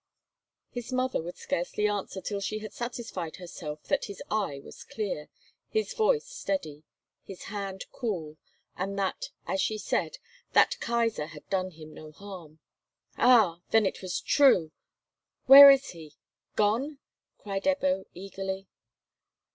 His mother would scarcely answer till she had satisfied herself that his eye was clear, his voice steady, his hand cool, and that, as she said, "That Kaisar had done him no harm." "Ah, then it was true! Where is he? Gone?" cried Ebbo, eagerly.